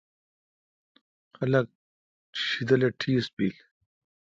خلق شیدل اے ٹیس بیل۔